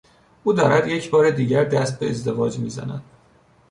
او دارد یکبار دیگر دست به ازدواج میزند.